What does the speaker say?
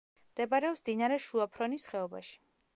მდებარეობს მდინარე შუა ფრონის ხეობაში.